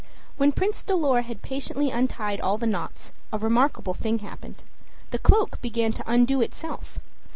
When Prince Dolor had patiently untied all the knots, a remarkable thing happened. The cloak began to undo itself.